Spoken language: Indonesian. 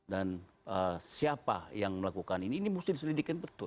dan siapa yang melakukan ini ini mesti diselidikkan betul